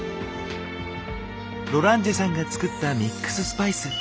ロランジェさんが作ったミックススパイス。